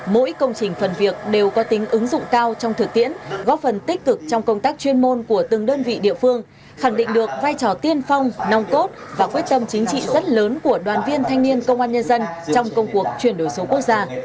mỗi công trình phần việc đều có tính ứng dụng cao trong thực tiễn góp phần tích cực trong công tác chuyên môn của từng đơn vị địa phương khẳng định được vai trò tiên phong nong cốt và quyết tâm chính trị rất lớn của đoàn viên thanh niên công an nhân dân trong công cuộc chuyển đổi số quốc gia